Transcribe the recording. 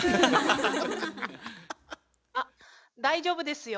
あっ大丈夫ですよ。